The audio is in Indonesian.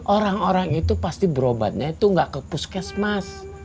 orang orang itu pasti berobatnya itu nggak ke puskesmas